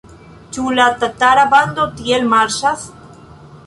Ĉu la tatara bando tiel marŝas?